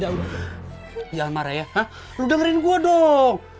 jangan marah ya lu dengerin gua dong